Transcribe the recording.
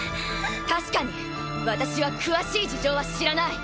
確かに私は詳しい事情は知らない。